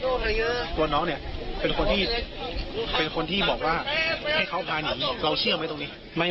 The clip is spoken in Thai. ตัวน้องเป็นคนที่บอกว่าให้เขาพาหนีเราเชื่อไหมตรงนี้